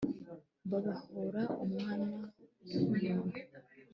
babahora umwana w umuntu